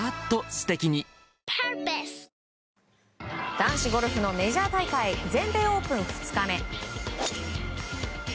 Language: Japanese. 男子ゴルフのメジャー大会全米オープン２日目。